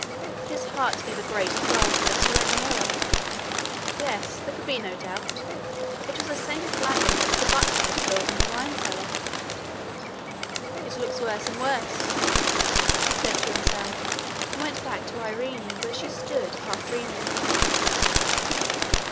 His heart gave a great throb, and he went nearer. Yes, there could be no doubt it was the same flagon that the butler had filled in the wine cellar. 'It looks worse and worse!'he said to himself, and went back to Irene, where she stood half dreaming.